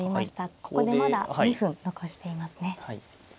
ここでまだ２分残していますね。